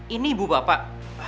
ini ibu bapak